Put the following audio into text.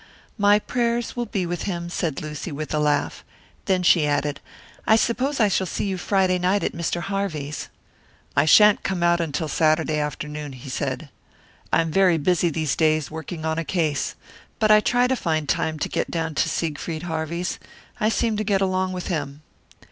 "My prayers will be with him," said Lucy, with a laugh. Then she added, "I suppose I shall see you Friday night at Mr. Harvey's." "I shan't come out until Saturday afternoon," said he. "I am very busy these days, working on a case. But I try to find time to get down to Siegfried Harvey's; I seem to get along with him."